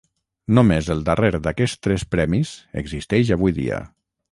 Només el darrer d'aquests tres premis existeix avui dia.